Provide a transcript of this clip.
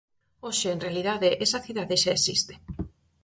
Hoxe en realidade esa cidade xa existe.